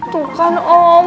tuh kan om